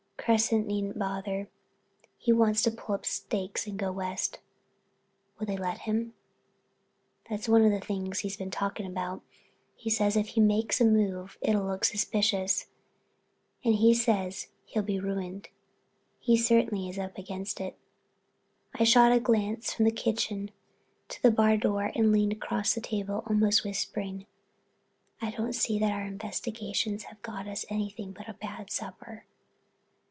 Cresset needn't bother. He wants to pull up stakes and go West." "Will they let him?" "That's one of the things he's been talking about. He says if he makes a move it'll look suspicious, and if he stays he'll be ruined. He certainly is up against it." I shot a glance from the kitchen to the bar door and then leaned across the table, almost whispering: "I don't see that our investigations have got us anything but a bad supper."